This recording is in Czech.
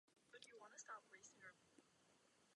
Nebyl tak zvolen ani ve druhé volbě.